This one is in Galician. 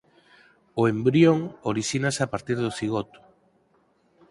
O embrión orixínase a partir do cigoto.